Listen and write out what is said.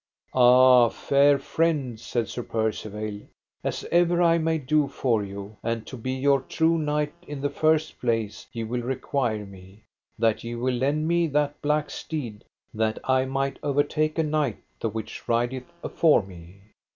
Ah, fair friend, said Sir Percivale, as ever I may do for you, and to be your true knight in the first place ye will require me, that ye will lend me that black steed, that I might overtake a knight the which rideth afore me.